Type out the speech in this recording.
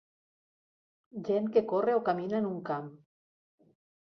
Gent que corre o camina en un camp.